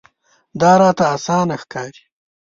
دا راته اسانه ښکاري.